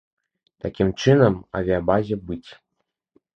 Такім чынам, авіябазе быць.